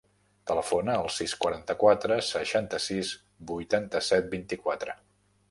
Telefona al sis, quaranta-quatre, seixanta-sis, vuitanta-set, vint-i-quatre.